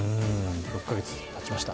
１か月たちました。